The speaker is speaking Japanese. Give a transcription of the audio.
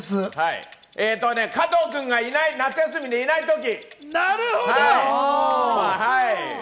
加藤君がいない、夏休みでいない時。